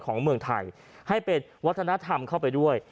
ของเมืองไทยให้เป็นวัฒนธรรมเข้าไปด้วย